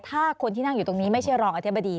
ถ้าคนที่นั่งอยู่ตรงนี้ไม่ใช่รองอธิบดี